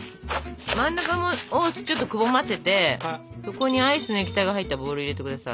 真ん中をちょっとくぼませてそこにアイスの液体が入ったボウルを入れて下さい。